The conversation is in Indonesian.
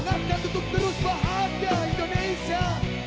dengarkan tutup terus bahagia indonesia